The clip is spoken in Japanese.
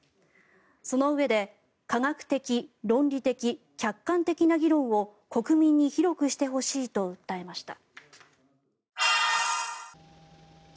そのうえで科学的、論理的、客観的な議論を国民に広くしてほしいと訴えました。